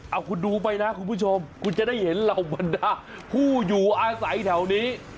เอาคุณดูไปนะคุณผู้ชมคุณจะได้เห็นเหล่าบรรดาผู้อยู่อาศัยแถวนี้